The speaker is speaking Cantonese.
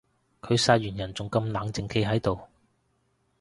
佢殺完人仲咁冷靜企喺度